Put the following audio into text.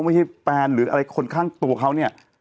ไม่ใช่แฟนหรืออะไรคนข้างตัวเขาเนี่ย